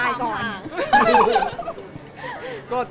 อายุจะตายก่อน